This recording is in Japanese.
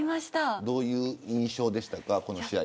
どういう印象でしたか。